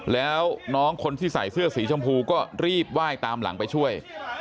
แล้วน้องคนที่ใส่เสื้อสีชมพูก็รีบไหว้ตามหลังไปช่วย